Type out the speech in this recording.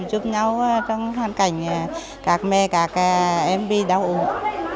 hãy giúp nhau trong hoàn cảnh các mê các em bị đau ụng